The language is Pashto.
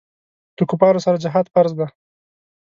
له کفارو سره جهاد فرض دی.